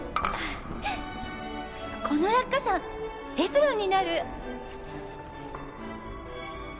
この落下傘エプロンになる！